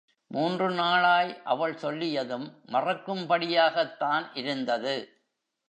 மூன்று நாளாய் அவள் சொல்லியதும் மறக்கும்படியாகத் தான் இருந்தது.